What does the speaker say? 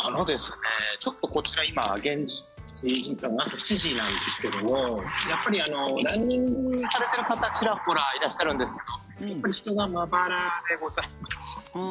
ちょっと、こちら今現地時間の朝７時なんですけどもランニングされている方ちらほらいらっしゃるんですけどやっぱり人がまばらでございます。